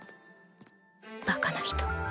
バカな人